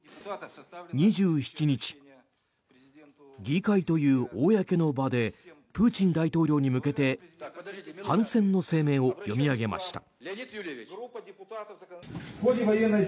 ２７日、議会という公の場でプーチン大統領に向けて反戦の声明を読み上げました。